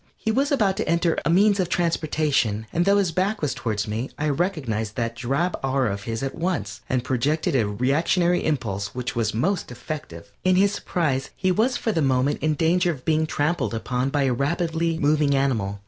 He was about to enter a a means of transportation, and though his back was towards me, I recognized that drab aura of his at once, and projected a reactionary impulse which was most effective. In his surprise he was for the moment in danger of being trampled upon by a rapidly moving animal.